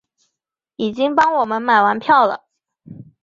已经帮我们买完票了